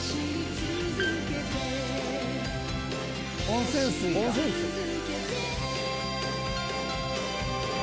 温泉水か。